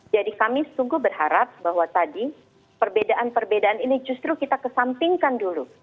jadi kami sungguh berharap bahwa tadi perbedaan perbedaan ini justru kita kesampingkan dulu